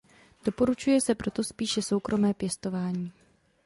Doporučuje se proto spíše soukromé pěstování.